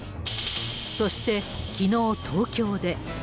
そして、きのう東京で。